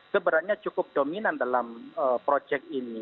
sebenarnya cukup dominan dalam proyek ini